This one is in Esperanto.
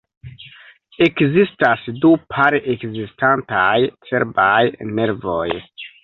Ekzistas du pare ekzistantaj cerbaj nervoj.